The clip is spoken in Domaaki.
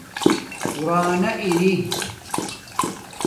پروانہ اری